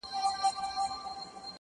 زما مرور فکر به څه لفظونه وشرنگوي.